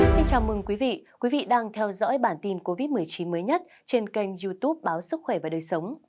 xin chào mừng quý vị quý vị đang theo dõi bản tin covid một mươi chín mới nhất trên kênh youtube báo sức khỏe và đời sống